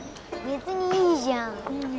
別にいいじゃん。